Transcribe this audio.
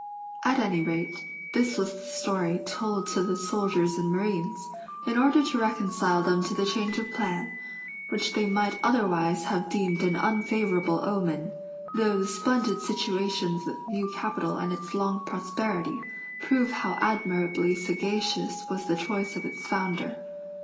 At any rate, this was the story told to the soldiers and marines, in order to reconcile them to the change of plan, which they might otherwise have deemed an unfavorable omen, though the splendid situation of the new capital and its long prosperity, prove how admirably sagacious was the choice of its founder.